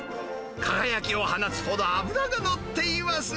輝きを放つほど脂が乗っています。